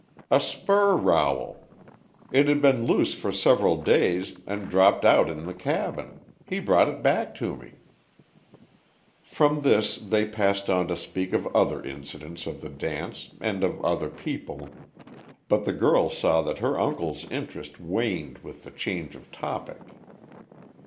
"A spur rowel. It had been loose for several days, and dropped out in the cabin. He brought it back to me." From this they passed on to speak of other incidents of the dance and of other people, but the girl saw that her uncle's interest waned with the change of topic.